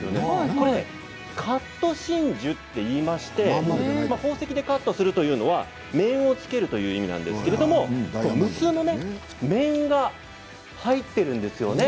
これカット真珠といいまして宝石でカットするというのは面をつけるという意味なんですけれど無数の面が入っているんですよね。